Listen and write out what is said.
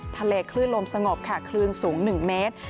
คลื่นลมสงบค่ะคลื่นสูง๑เมตร